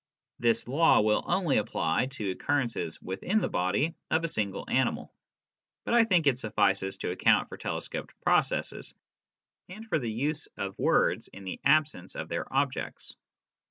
This law will only apply to occurrences within the body of a single animal. But I think it suffices to account for telescoped processes, and for the use of words in the absence of their objects.